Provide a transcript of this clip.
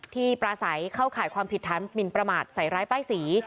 ที่ประสัยเข้าข่ายความผิดธรรมินประมาทใส่ร้ายป้ายศรี